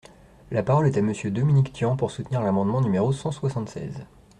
La parole est à Monsieur Dominique Tian, pour soutenir l’amendement numéro cent soixante-seize.